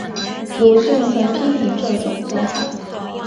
鲁迅曾批评这种做法。